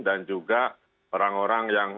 dan juga orang orang yang